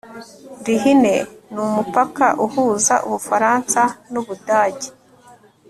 rhine ni umupaka uhuza ubufaransa n'ubudage